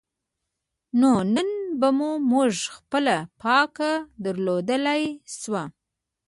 نو نن به موږ خپله پانګه درلودلای شو.